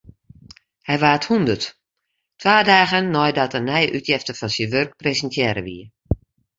Hy waard hûndert, twa dagen neidat in nije útjefte fan syn wurk presintearre wie.